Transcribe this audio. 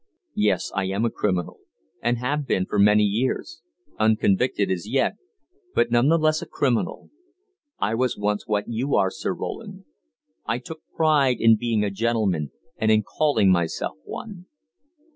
Yes, I am a criminal, and have been for many years; unconvicted as yet, but none the less a criminal. I was once what you are, Sir Roland; I took pride in being a gentleman and in calling myself one.